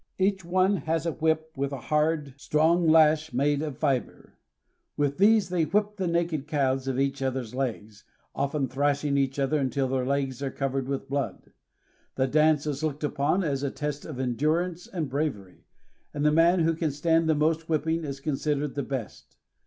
Each one has a whip with a hard, strong lash made of fiber. With these they whip the BRITISH GUIANA. 345 naked calves of each other's legs, often thrashing each other until their legs are covered with blood. The dance is looked upon as a test of endurance and bravery, and the man who can stand the most whipping is considered the best.